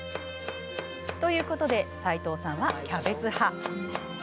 ということで齋藤さんはキャベツ派。